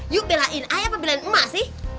yuk belain ayah apa belain emak sih